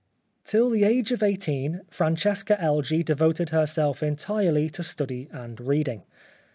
Till the age of eighteen Francesca Elgee de voted herself entirely to study and reading.